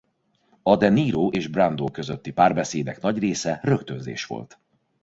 A De Niro és Brando közötti párbeszédek nagy része rögtönzés volt.